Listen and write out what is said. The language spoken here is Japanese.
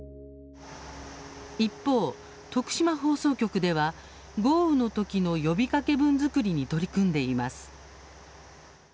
一方、徳島放送局では豪雨のときの呼びかけ文作りに取り組んでいます。